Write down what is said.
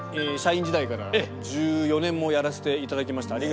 社員時代から、１４年もやらせていただきました。